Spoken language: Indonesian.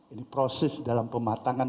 ini proses dalam pematangan